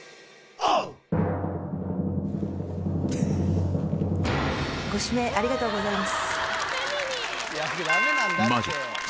ありがとうございます。